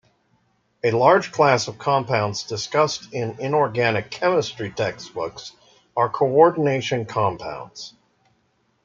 A large class of compounds discussed in inorganic chemistry textbooks are coordination compounds.